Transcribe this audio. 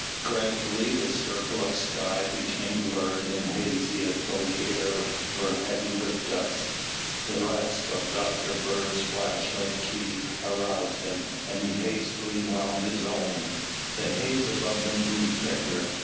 Gradually the circle of sky became blurred and hazy as though the air were heavy with dust. The rasp of Dr. Bird's flashlight key aroused him and he hastily wound his own. The haze above them grew thicker.